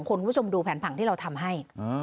คุณผู้ชมดูแผนผังที่เราทำให้